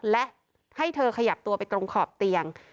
และให้เธอขยับตัวไปตรงขอบเตียง